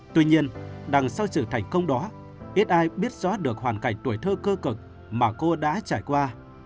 tuy nhiên đằng sau sự thành công đó ít ai biết xóa được hoàn cảnh tuổi thơ cơ cực mà cô đã trải qua